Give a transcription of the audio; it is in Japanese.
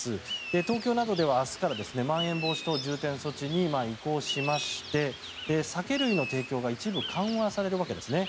東京などでは明日からまん延防止等重点措置に移行しまして酒類の提供が一部緩和されるわけですね。